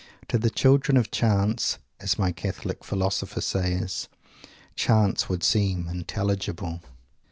"To the children of chance," as my Catholic philosopher says, "chance would seem intelligible."